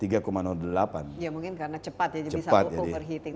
ya mungkin karena cepat ya bisa overheating